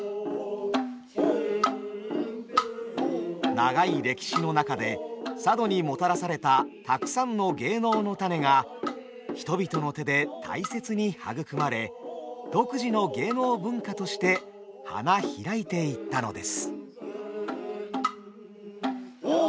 長い歴史の中で佐渡にもたらされたたくさんの芸能の種が人々の手で大切に育まれ独自の芸能文化として花開いていったのです。